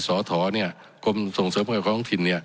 สธวะนี่ส่งเสริมกำหนดจะของทิศ